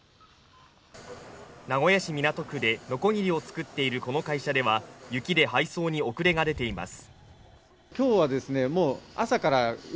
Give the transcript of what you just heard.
名古屋市港区でのこぎりを作っているこの会社では雪で配送に遅れが出ています